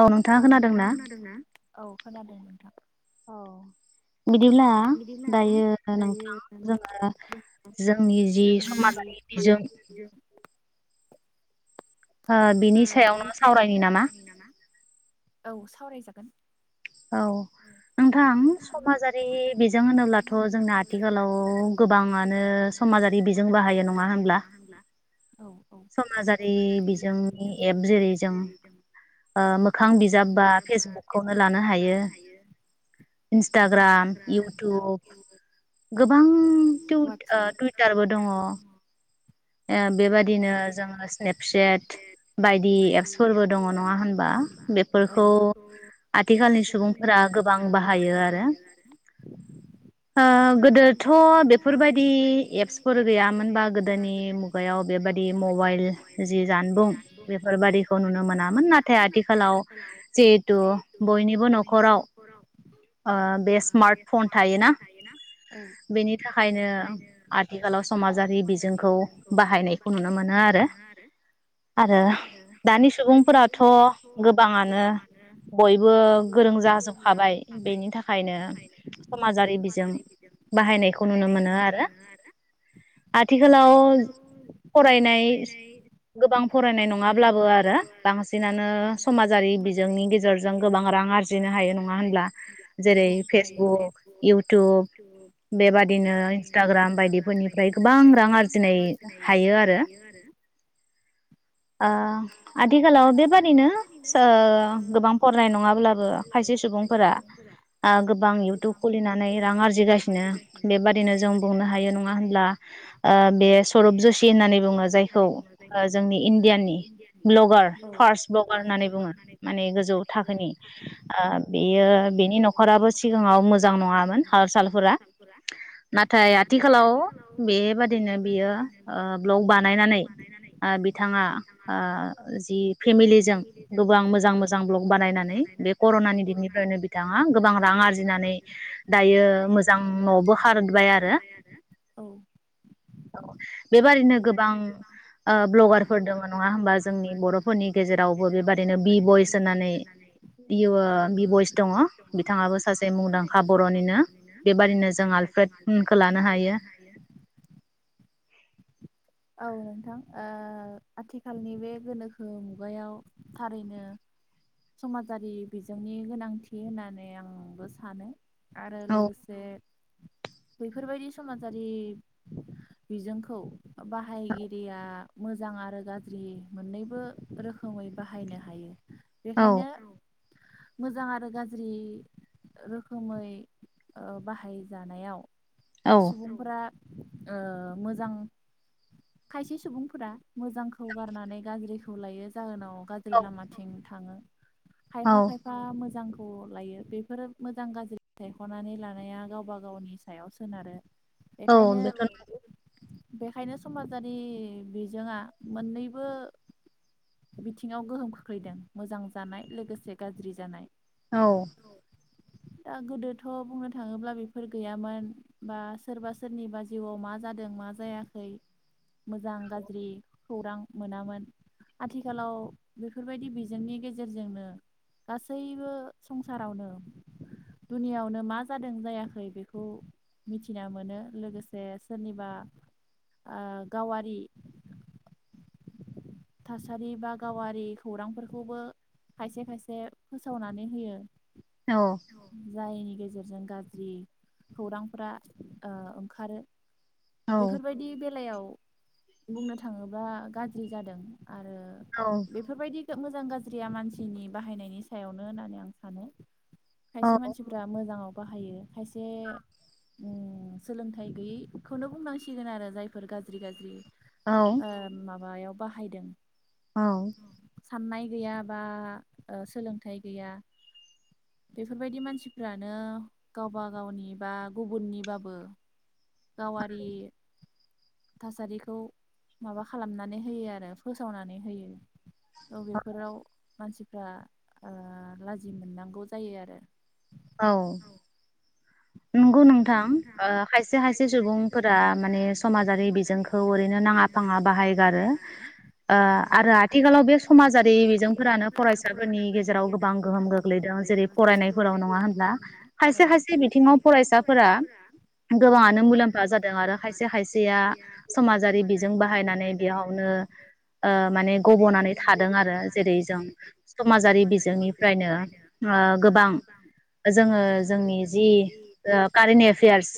औ नोंथाङा खोनादोंना? औ बिदिब्ला दायो नोंथां जोङो जोंनि जि समाजारि बिजों ओ बिनि सायावनो सावरायनि नामा? औ सावरायजागोन। औ नोंथां समाजारि बिजों होनोब्लाथ' जोंना आथिखालाव गोबाङानो समाजारि बिजों बाहायो नङा होनब्ला? समाजारि बिजोंनि एप जेरै जों ओ मोखां बिजाब बा फेसबुक खौनो लानो हायो। बियो इन्सटाग्राम इउटुब गोबां टुथ ओ टुइटारबो दङ। ए बेबादिनो जोङो स्नेपचेट बायदि एप्सफोरबो दङ नङा होनबा बेफोरखौ आथिखालनि सुबुंफोरा गोबां बाहायो आरो ओ गोदोथ बेफोरबायदि एप्सफोर गैयामोनबा गोदोनि नि मुगायाव बेबादि मबाइल जि जानबुं बेफोरबादिखौ नुनो मोनामोन नाथाय आथिखालाव जिहेथु बयनिबो न'खराव ओ बे स्मार्टफन थायोना बेनि थाखायनो आथिखालाव समाजारि बिजोंखौ बाहायनायखौ नुनो मोनो आरो। आरो दानि सुबुंफोराथ' गोबाङानो बयबो गोरों जाजोबखाबाय बेनि थाखायनो समाजारि बिजों बाहायनायखौ नुनो मोनो आरो आथिखालाव। फरायनाय गोबां फरायनाय नङाब्लाबो आरो बांसिनानो समाजारि बिजोंनि गेजेरजों गोबां रां आरजिनो हायो नङा होनब्ला जेरै फेसबुक इउटुब बेबादिनो इन्सटाग्राम बायदिफोरनिफ्राय गोबां रां आरजिनाय हायो आरो। ओ आथिखालाव बेबादिनो सो गोबां फरायनाय नङाब्लाबो खायसे सुबुंफोरा गोबां इउटुब खुलिनानै रां आरजिगासिनो बेबादिनो जों बुंनो हायो नङा होनब्ला? ओ बे सरब जशी होननानै बुङो जायखौ ओ जोंनि इण्डियानि ब्लगार फार्स्ट ब्लगार होननानै बुङो माने गोजौ थाखोनि ओ बेयो बेनि न'खराबो सिगाङाव मोजां नङामोन हाल सालफोरा नाथाय आथिखालाव बेबादिनो बियो ओ ब्लग बानायनानै आ बि बिथाङा ब्लग बानायनानै बिथाङा जि फेमिलिजों गोबां मोजां मोजां भ्लग बानायनानै बे करनानि दिननिफ्रायनो बिथाङा गोबां रां आरजिनानै दायो मोजां न'बो खाबाय आरो। बेबादिनो गोबां ओ ब्लगारफोर दङ नङा होनबा जोंनि बर'फोरनि गेजेरावबो बेबायदिनो बि बइस होन्नानै बि ओ बि बइस दङ बिथाङाबो सासे मुंदांखा बर'निनो बिबायदिनो जों आलप्रेद मोनखो लानो हायो। औ नोंथां। ओ आथिखालनि बे गोनोखो मुगायाव थारैनो समाजारि बिजोंनि गोनांथि होननानै आं बो सानो। आरो लोगोसे बेैफोरबायदि समाजारि बिजोंखौ बाहायगिरिया मोजां आरो गाज्रि मोननैबो रोखोमै बाहायनो हायो। बेखायनो मोजां आरो गाज्रि रोखोमै ओ बाहायजानायाव सुबुंफोरा ओ मोजां खायसे सुबुंफोरा मोजांखौ गारनानै गाज्रिखौ लायो जाहोनाव गाज्रि लामाथिं थाङो। खायफा खायफा मोजां। खौ लायो बेफोर मोजां गाज्रि सायख'नानै लानाया गावबा गावनि सायाव सोनारो। बेखायनो बेखायनो समाजारि बिजोङा मोननैबो बिथिङाव गोहोम खोख्लैदों मोजां जानाय लोगोसे गाज्रि जानाय। औ दा गोदोथ' बुंनो थाङोब्ला बेफोर गैयामोन बा सोरबा सोरनिबा जिउआव मा जादों मा जायाखै मोजां गाज्रि खौरां मोनामोन आथिखालाव बेफोरबायदि बिजोंनि गेजेरजोंनो गासैबो संसारावनो दुनियावनो मा जादों जायाखै बेखौ मिथिना मोनो लोगोसे सोरनिबा ओ गावारि थासारि बा गावारि खौरांफोरखौबो खायसे खायसे फोसावनानै होयो जाय गेजेरजों गाज्रि खौरांफोरा ओ ओंखारो बेफोरबायदि बेलायाव बुंनो थाङोब्ला गाज्रि जादों आरो बेफोरबायदि मोजां गाज्रिया मानसिनि बाहायनायनि सायावनो होननानै आं सानो खायसे मानसिफ्रा मोजाङाव बाहायो खायसे ओम सोलोंथाइ गैयिखौनो बुंनांसिगोन आरो जायफोर गाज्रि गाज्रि ओ माबायाव बाहायदों औ साननाय गैया बा ओ सोलोंथाइ गैया बेफोरबायदि मानसिफ्रानो गावबा गावनि बा गुबुननिबाबो गावारि थासारिखौ माबा खालामनानै होयो आरो फोसावनानै होयो अ बेेफोराव मानसि फ्रा ओ लाजि मोननांगौ जायो आरो। औ नंगौ नोंथां खायसे खायसे सुबुंफोरा माने समाजारि बिजोंखौ ओरैनो नाङा फाङा बाहायगारो ओ आरो आथिखालाव बे समाजारि बिजोंफोरानो फरायसाफोरनि गेजेराव गोबां गोहोम गोग्लैदों जेरै फरायनायफोराव नङा होनब्ला खायसे खायसे बिथिङाव फरायसा साफोरा गोबाङानो मुलाम्फा जादों आरो खायसे खायसेया समाजारि बिजों बाहायनानै बेयावनो ओ माने गबनानै थादों आरो जेरै जों समाजारि बिजोंनिफ्रायनो गोबां जोङो जोंनि जि कारेन्ट एफेयार्स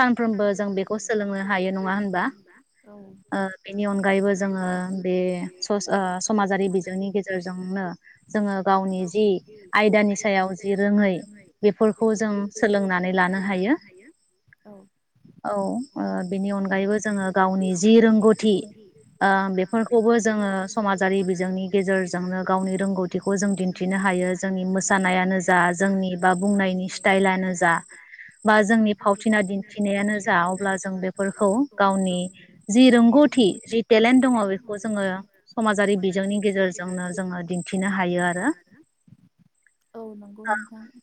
सानफ्रोमबो जों बेखौ सोलोंनो हायो नङा होनबा ओ बेनि अनगायैबो जोङो बे समाजारि बिजोंनि गेजेरजोंनो जोङो गावनि जि आयदानि सायाव जि रोङै बेफोरखौ जों सोलों लानो हायो ओ बिनि अनगायैबो जोङो गावनि जि रोंगौथि ओ बेफोरखौबो जोङो समाजारि बिजोंनि गेजेरजोंनो गावनि रोंगौथिखौ जों दिन्थिनो हायो जोंनि मोसानायानो जा जोंनि बा बुंनायनि स्टाइलानो बा जोंनि फावथिना दिन्थिनायानो जा अब्ला जों बेफोरखौ गावनि जि रोंगौथि जि टेलेन्ट दङ बेखौ जोङो समाजारि बिजोंनि गेजेरजोंनो जोङो दिन्थिनो हायो आरो।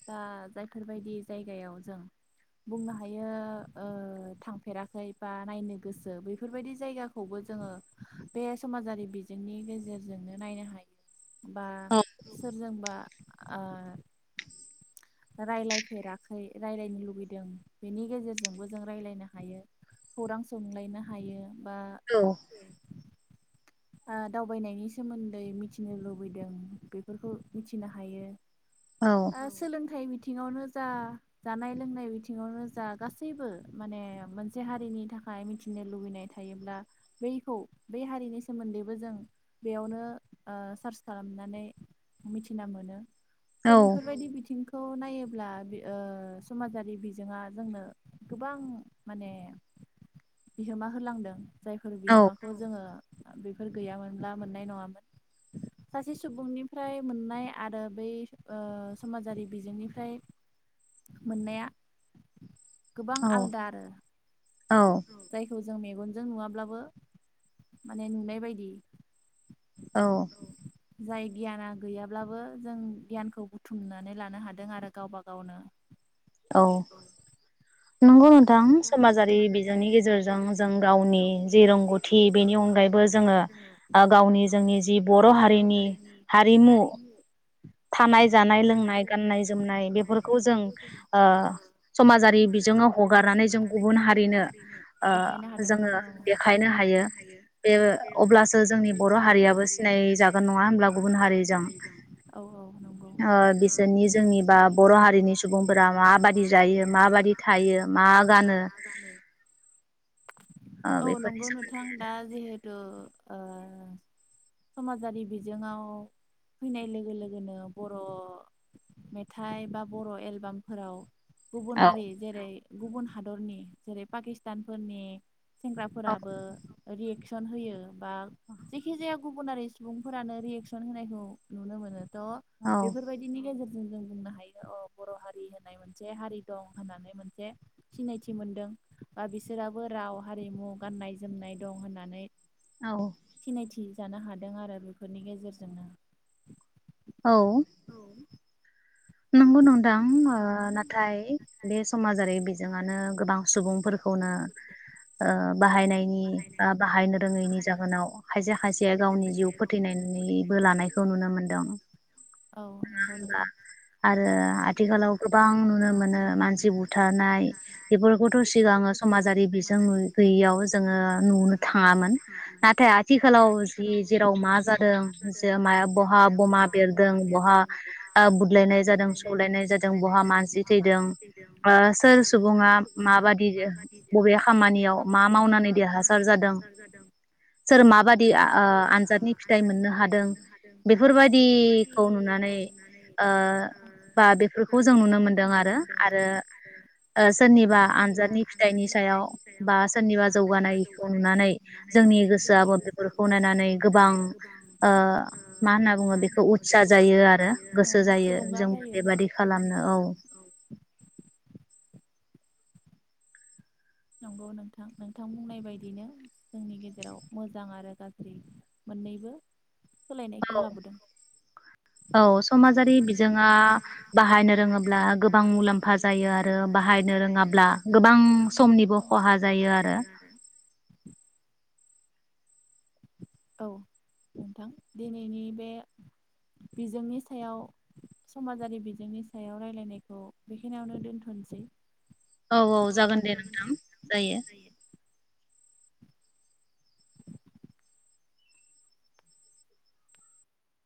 बा जायफोरबायदि जाय जायगायाव जों बुंनो हायो ओ थांफेराखै बा नायनो गोसो बेफोरबायदि जायगाखौबो जोङो बे समाजारि बिजोंनि गेजेरजोंनो नायनो हायो बा सोरजोंबा आ रायलायफेराखै रायलायनो लुुबैदों बेनि गेजेरजोंबो जों रायज्लायनो हायो खौरां सोंलायनो हायो बा बा दावबायनायनि सोमोन्दै मिथिनो लुबैदों बेफोरखौ मिथिनो हायो आ सोलोंथाइ बिथिं बिथिङावनो जा जानाय लोंनाय बिथिङावनो जा गासैबो माने मोनसे हारिनि थाखाय मिथिनो लुबैनाय थायोब्ला बैखौ बै हारिनि सोमोन्दैबो जों बेयावनो ओ सार्च खालामनानै मिथिना मोनो। त बेफोरबायदि बिथिंखो खौ नायोब्ला बिओ समाजारि बिजोङा जोंनो गोबां माने बिहोमा होलांदों। जायफोर बिहोमाखौ जोङो बेफोर गैयामोनब्ला मोननाय नङामोन सासे सुबुंनिफ्राय मोननाय आरो बै ओ समाजारि बिजोंनिफ्राय मोननाया गोबां आलदा आरो। औ जों मेगनजों नुवाब्लाबो माने नुनाय बायदि औ जाय गियाना गैयाब्लाबो जों गियानखौ बुथुमनानै लानो हादों आरो गावबा गावनो। औ नंगौ नोंथां समाजारि बिजोंनि गेजेरजों जों गावनि जि रोंगौथि बेनि अनगायैबो जोङो ओ गावनि जोंनि जि बर' हारिनि हारिमु थानाय जानाय लोंनाय गाननाय जोमनाय बेफोरखौ जों ओ समाजारि बिजोंआव गारनानै जों गुबुन हारिनो ओ जोङो देखायनो हायो बे अब्लासो जोंनि बर हारियाबो सिनाय जागोन नङा होमब्ला गुबुन हारिजों ओ बिसोरनि जोंनि बा बर हारिनि सुबुंफोरा माबादि जायो माबादि थायो। मा गानो? औ नंगौ नोंथां दा जिहेथु ओ समाजारि बिजोंव फैनाय लोगो लोगोनो बर मेथाइ बा बर एलबामफोराव गुबुनारि जेरै गुबुन हादरनि जेरै पाकिस्तानफोरनि सेंग्राफोराबो रियेकसन होयो बा जेखि जाया गुबुनारि सुबुंफोरानो रियेकसन होनायखौ नुनो मोनो। त बेफोरबायदिनि गेजेर जों बुंनो हायो अ बर हारि होननाय मोनसे हारि दं होननानै मोनसे सिनायथि मोनदों बा बिसोराबो राव हारिमु गाननाय जोमनाय दं होननानै सिनायथि जानो हादों आरो बेफोरनि गेजेरजोंनो औ नंगौ नंदां नाथाय बे समाजारि बिजोङानो गोबां सुबुंफोरखौनो ओ बाहायनायनि बा बाहायनो रोङैनि जाहोनाव खायसे खायसेया गावनि जिउ फोथैनायनैबो लानायखौ नुनो मोनदों। औ नंगौ नोंथां‌। आथिखालाव गोबां नुनो मोनो मानसि बुथारनाय बेफोरखौथ सिगाङो समाजारि बिजों गैयियाव जोङो नुनो थाङामोन नाथाय आथिखालाव जि जेराव मा जादों जे म बहा बमा बेरदों आ ओ बुदलायनाय जादों सौ दों बहा मानसि थैदों ओ सोर सुबुङा माबादि दो बबे खामानियाव मा मावनानै देरहासार जादों सोर माबाददि ओ आनजादनि फिथाइ मोननो हादों बेफोरबायदि खौ नुनानै ओ बा बेफोरखौ जों नुनो मोनदों आरो आरो ओ सोरनिबा आनजादनि फिथाइनि सायाव बा सोरनिबा जौगानायखौ नुनानै जोंनि गोसोआबो बेफोरखौ नायनानै गोबां ओ मा होनना बुङो बेखौ उथ जायो आरो गोसो जायो जों बेबायादि खालामनो औ नंगौ नोंथां नोंथां बुंनाय बायदिनो जोंनि गेजेराव मोजां आरो गाज्रि मोननैबो औ औ समाजारि बिजोङा बाहायनो रोङोब्ला गोबां मुलाम्फा जायो आरो बाहायनो रोङाब्ला गोबां समनिबो निबो खहा जायो आरो। औ नोंथां दिनैनि बे बिजोंनि सायाव समाजारि बिजोंनि सायाव रायलायनायखौ बेखिनियावनो दोन्थनिसै। औ औ जागोन दे नोंथां जायो।